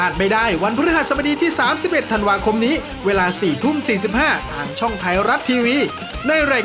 เดี๋ยวพี่ทรงทบเดี๋ยวทรงทบด้วยทรงทบด้วย